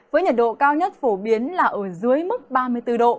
với nhiệt độ cao nhất phổ biến là ở dưới mức ba mươi bốn độ